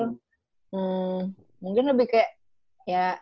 hmm mungkin lebih kayak